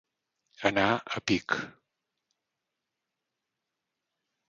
Anar a pic.